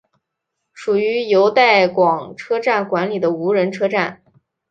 属于由带广车站管理的无人车站。